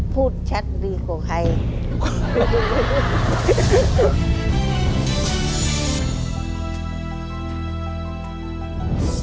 พูดชัดดีกว่าใคร